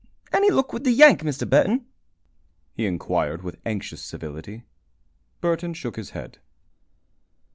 "Any luck with the Yank, Mr. Burton?" he inquired, with anxious civility. Burton shook his head.